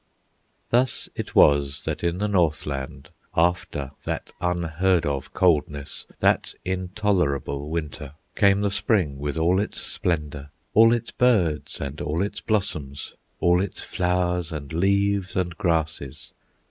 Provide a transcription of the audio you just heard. Thus it was that in the North land After that unheard of coldness, That intolerable Winter, Came the Spring with all its splendor, All its birds and all its blossoms, All its flowers and leaves and grasses.